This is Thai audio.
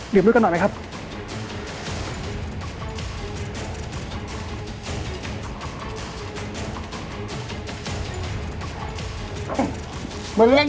สามารถรับชมได้ทุกวัย